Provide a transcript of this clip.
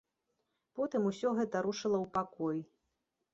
Потым усё гэта рушыла ў пакой.